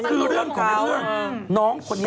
คือเรื่องของเรื่องน้องคนนี้